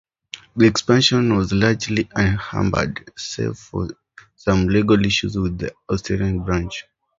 The expansion was largely unhampered, save for some legal issues with the Australian branch.